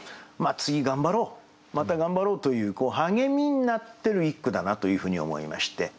次頑張ろうまた頑張ろうという励みになってる一句だなというふうに思いまして。